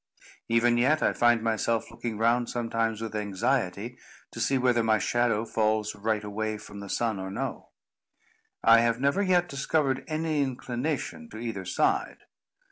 Even yet, I find myself looking round sometimes with anxiety, to see whether my shadow falls right away from the sun or no. I have never yet discovered any inclination to either side.